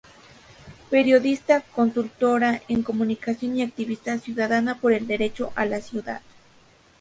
Periodista, consultora en comunicación y activista ciudadana por el Derecho a la Ciudad.